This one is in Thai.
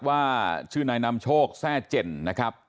ว่าชื่อนายนำโชคแทร่เจ่นนะครับ